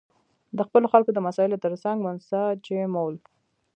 د خپلو خلکو د مسایلو ترڅنګ منسجمول.